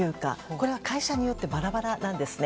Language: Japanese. これは会社によってバラバラなんですね。